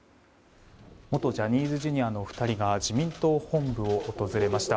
元ジャニーズＪｒ．の２人が自民党本部を訪れました。